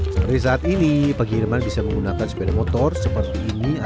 sebelum dikemas kacang terlebih dahulu dibersihkan dengan cara seperti ini